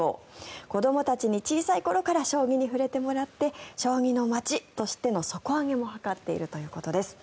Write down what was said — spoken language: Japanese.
子どもたちに小さい頃から将棋に触れてもらって将棋の街としての底上げも図っているということです。